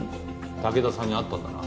竹田さんに会ったんだな？